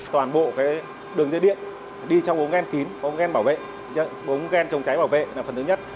toàn bộ đường chế điện đi trong ống gen kín ống gen bảo vệ ống gen chống cháy bảo vệ là phần thứ nhất